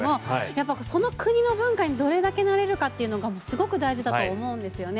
やっぱその国の文化にどれだけ慣れるかっていうのがすごく大事だと思うんですよね。